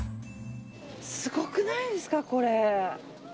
すごくないですか、これ。